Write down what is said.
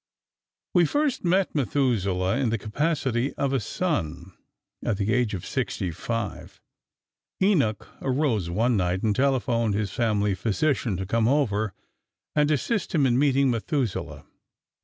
We first met Methuselah in the capacity of a son. At the age of 65, Enoch arose one night and telephoned his family physician to come over and assist him in meeting Methuselah.